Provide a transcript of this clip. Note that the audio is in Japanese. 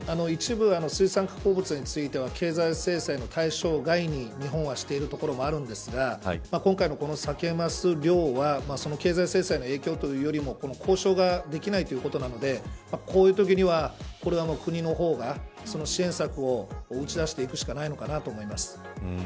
一部、水産加工物については経済制裁の対象外に日本はしているところもあるんですが今回のサケ・マス漁はその経済制裁の影響というよりも交渉ができないということなのでこういうときには、国のほうが支援策を打ち出していくしかないのかなと思います。